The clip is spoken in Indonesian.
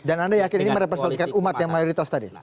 dan anda yakin ini merepresentasikan umat yang mayoritas tadi